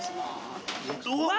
うわ！